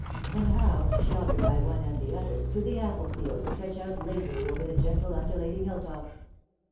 and how, sheltered by one and the other, do the apple fields stretch out lazily over the gently undulating hill tops?